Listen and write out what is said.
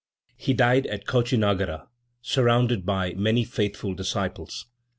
He died at Kouçinagara, surrounded by many faithful disciples.